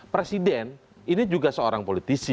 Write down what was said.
presiden ini juga seorang politisi